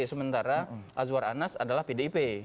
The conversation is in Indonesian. sementara azwar anas adalah pdip